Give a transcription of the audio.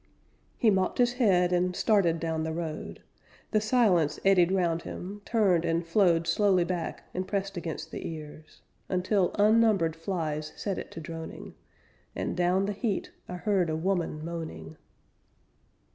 He mopped his head, and started down the road. The silence eddied round him, turned and flowed Slowly back and pressed against the ears. Until unnumbered flies set it to droning, And, down the heat, I heard a woman moaning.